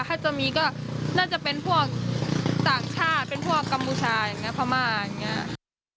ถ้าจะมีก็น่าจะเป็นพวกต่างชาติเป็นพวกกัมพูชาอย่างนี้พม่าอย่างนี้